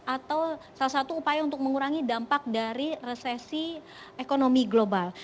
atau salah satu upaya untuk mengurangi dampak dari resesi ekonomi global